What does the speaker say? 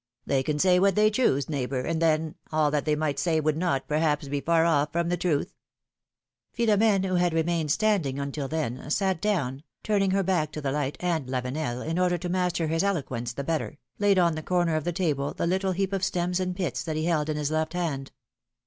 They can say what they choose, neighbor, and then, all that they might say would not, perhaps, be far off from the truth. Philomene, who had remained standing until then, sat down, turning her back to the light, and Lavenel, in order to master his eloquence the better, laid on the corner of the table the little heap of stems and pits that he held in his left hand.